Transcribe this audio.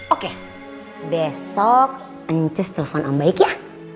oke besok ncus telpon om baik ya